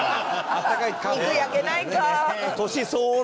肉焼けないか。